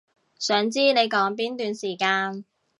想知你講邊段時間